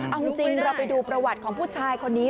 เอาจริงเราไปดูประวัติของผู้ชายคนนี้